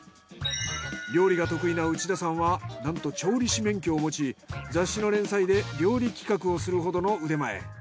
料理が得意な内田さんはなんと調理師免許を持ち雑誌の連載で料理企画をするほどの腕前。